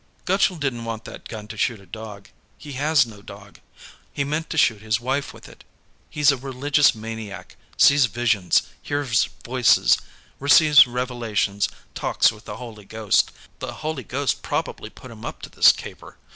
"Gutchall didn't want that gun to shoot a dog. He has no dog. He meant to shoot his wife with it. He's a religious maniac; sees visions, hears voices, receives revelations, talks with the Holy Ghost. The Holy Ghost probably put him up to this caper.